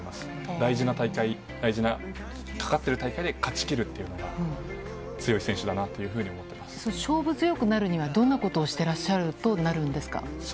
大事な大会、大事なかかってる大会で勝ちきるというのが、強い選手だなってい勝負強くなるにはどんなことをしてらっしゃるとなるんですか。